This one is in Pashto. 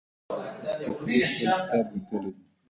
اصطخري خپل کتاب لیکلی دی.